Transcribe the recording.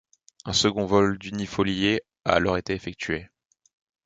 Un second vol d’unifoliés a alors été effectuée.